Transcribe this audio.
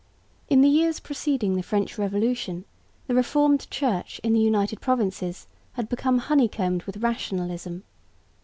In the years preceding the French Revolution the Reformed Church in the United Provinces had become honey combed with rationalism.